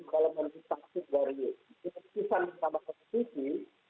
kalau menurut taksib dari kesepisan pertama kesepisi